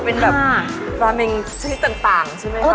เป็นแบบลาเมนชาติต่างใช่ไหมครับ